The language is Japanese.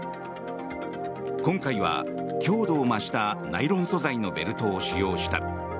今回は強度を増したナイロン素材のベルトを使用した。